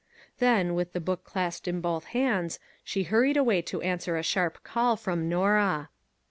Then, with the book clasped in both hands, she hurried away to answer a sharp call from Norah.